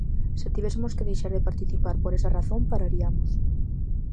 Se tivésemos que deixar de participar por esa razón, parariamos.